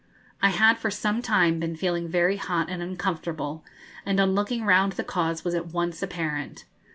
I had for some time been feeling very hot and uncomfortable, and on looking round the cause was at once apparent.